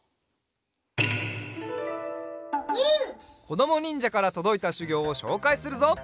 こどもにんじゃからとどいたしゅぎょうをしょうかいするぞ。